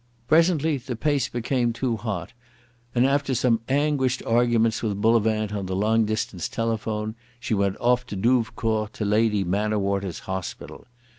Presently the pace became too hot, and after some anguished arguments with Bullivant on the long distance telephone she went off to Douvecourt to Lady Manorwater's hospital.